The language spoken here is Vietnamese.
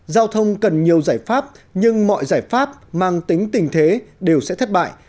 giao thông cần nhiều giải pháp nhưng mọi giải pháp mang tính tình thế đều sẽ thất bại